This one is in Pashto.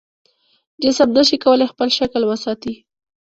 جسم نشي کولی خپل شکل وساتي.